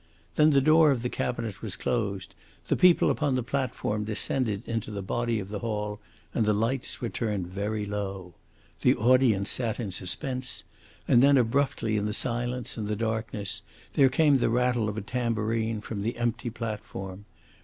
Then the door of the cabinet was closed, the people upon the platform descended into the body of the hall, and the lights were turned very low. The audience sat in suspense, and then abruptly in the silence and the darkness there came the rattle of a tambourine from the empty platform.